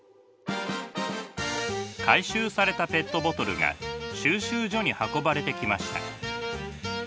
回収されたペットボトルが収集所に運ばれてきました。